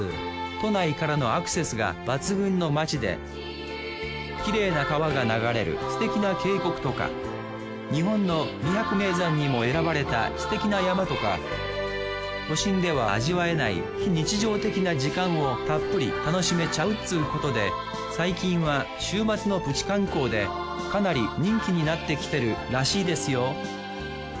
都内からのアクセスが抜群の街できれいな川が流れるすてきな渓谷とか日本の二百名山にも選ばれたすてきな山とか都心では味わえない非日常的な時間をたっぷり楽しめちゃうっつうことで最近は週末のプチ観光でかなり人気になってきてるらしいですよ